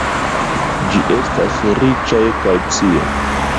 Ĝi estas riĉa je kalcio.